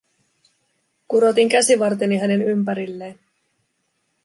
Kurotin käsivarteni hänen ympärilleen.